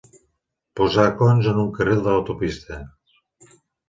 Posar cons en un carril de l'autopista.